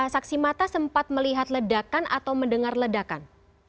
saksi mata sempat melihat ledakan atau mendengar ledakan